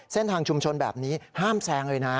เส้นทางชุมชนแบบนี้ห้ามแซงเลยนะ